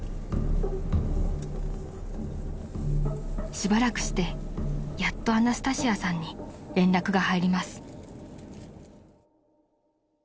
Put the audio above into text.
［しばらくしてやっとアナスタシアさんに連絡が入ります］